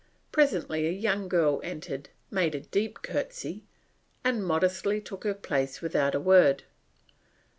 Presently a young girl entered, made a deep courtesy, and modestly took her place without a word.